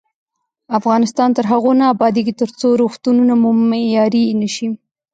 افغانستان تر هغو نه ابادیږي، ترڅو روغتونونه مو معیاري نشي.